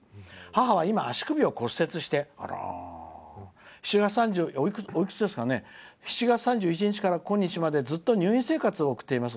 母は今、足首を骨折して７月３１日から今日までずっと入院生活を送っています。